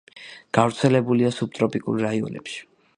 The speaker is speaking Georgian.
გავრცელებულია სუბტროპიკულ რაიონებში.